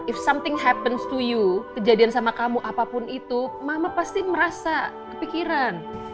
is something happens to you kejadian sama kamu apapun itu mama pasti merasa kepikiran